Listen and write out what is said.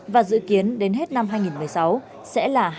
và dự kiến đến hết năm hai nghìn một mươi sáu sẽ là hai trăm năm mươi